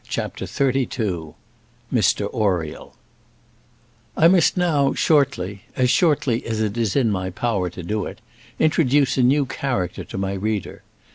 CHAPTER XXXII Mr Oriel I must now, shortly as shortly as it is in my power to do it introduce a new character to my reader.